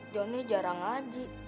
jonny jarang ngaji